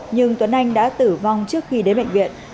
nhưng tuấn anh đã tử vong trước khi đến bệnh viện